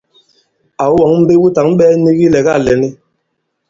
Àwu wɔ̌ŋ mbe wu tǎŋ ɓɛ̄ɛ nik ilɛ̀gâ lɛ̀n i?